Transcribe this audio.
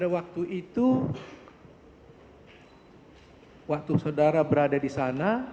waktu saudara berada di sana